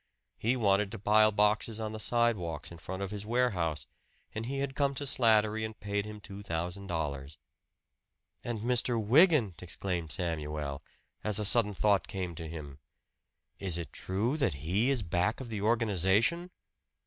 He wanted to pile boxes on the sidewalks in front of his warehouse, and he had come to Slattery and paid him two hundred dollars. "And Mr. Wygant!" exclaimed Samuel, as a sudden thought came to him. "Is it true that he is back of the organization?"